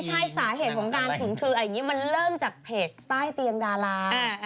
ใช่สาเหตุของการฉุนคืออย่างนี้มันเริ่มจากเพจใต้เตียงดารา